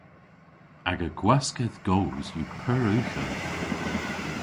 Aga gwaskedh goos yw pur ughel.